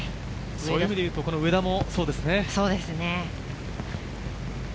そういう意味でいうと上田もそうですね。